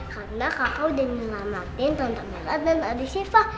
karena kakak udah ngelewatin tante bella dan adik siva